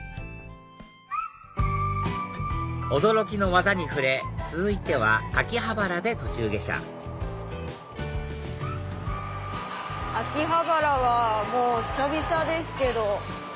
驚きの技に触れ続いては秋葉原で途中下車秋葉原はもう久々ですけど。